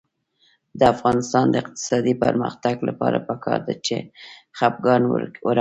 د افغانستان د اقتصادي پرمختګ لپاره پکار ده چې خپګان ورک شي.